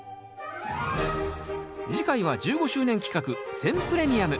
次回は１５周年企画選プレミアム。